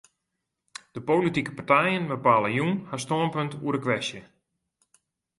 De politike partijen bepale jûn har stânpunt oer de kwestje.